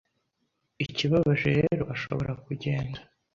Ikibabaje rero ashobora kugenda